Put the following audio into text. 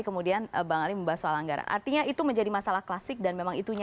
ketiga terus berbegitu